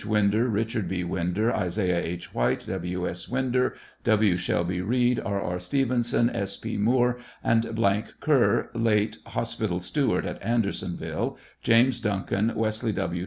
Winder, Eichard B. Winder, Isaiah H. White, W. S. Winder, W. Shelby Reed, E. E. Stevenson, S. P. Moore, Kerr, late hospital steward'at Andersonville, James Duncan, Wesley W.